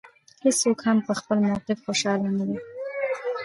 هېڅوک هم په خپل موقف خوشاله نه دی.